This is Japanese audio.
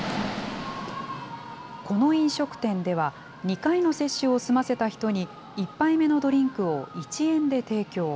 この飲食店では、２回の接種を済ませた人に１杯目のドリンクを１円で提供。